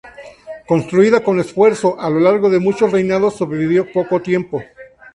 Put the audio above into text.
Construida con esfuerzo, a lo largo de muchos reinados, sobrevivió poco tiempo.